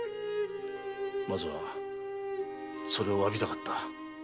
まずはそれを詫びたかった。